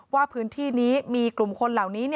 ว่าพื้นที่นี้มีกลุ่มคนเหล่านี้